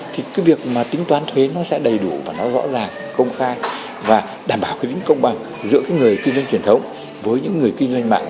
thì cái việc mà tính toán thuế nó sẽ đầy đủ và nó rõ ràng công khai và đảm bảo cái tính công bằng giữa cái người kinh doanh truyền thống với những người kinh doanh mạng